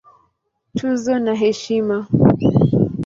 Tuzo na Heshima